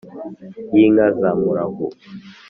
y’inka za murahu,